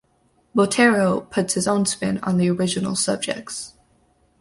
Botero puts his own spin on the original subjects.